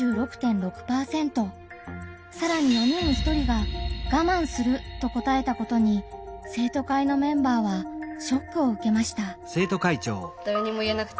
さらに４人に１人が「我慢する」と答えたことに生徒会のメンバーはショックを受けました。